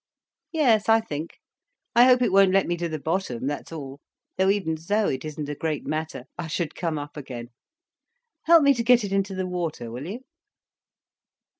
"Yes, I think. I hope it won't let me to the bottom, that's all. Though even so, it isn't a great matter, I should come up again. Help me to get it into the water, will you?"